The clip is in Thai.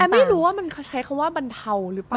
แต่ไม่รู้ว่ามันใช้คำว่าบรรเทาหรือเปล่า